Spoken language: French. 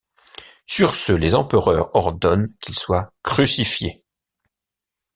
Sur ce, les empereurs ordonnent qu'ils soient crucifiés.